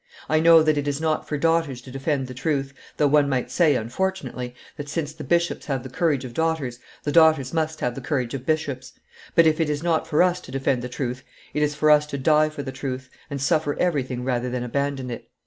I know that it is not for daughters to defend the truth, though one might say, unfortunately, that since the bishops have the courage of daughters, the daughters must have the courage of bishops; but, if it is not for us to defend the truth, it is for us to die for the truth, and suffer everything rather than abandon it."